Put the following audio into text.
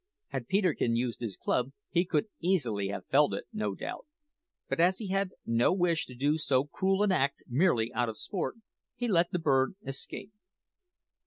Had Peterkin used his club he could easily have felled it, no doubt; but as he had no wish to do so cruel an act merely out of sport, he let the bird escape.